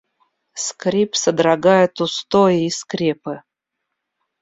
Скрип содрогает устои и скрепы.